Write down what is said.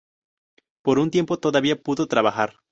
Por un tiempo, todavía pudo trabajar.